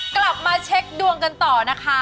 กลับมาเช็คดวงกันต่อนะคะ